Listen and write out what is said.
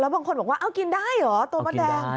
บางคนบอกว่ากินได้หรอ